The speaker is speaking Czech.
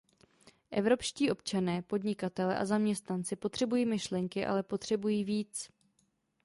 Evropští občané, podnikatelé a zaměstnanci potřebují myšlenky, ale potřebují víc.